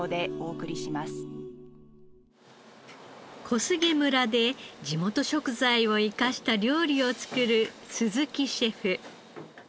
小菅村で地元食材を生かした料理を作る鈴木シェフ。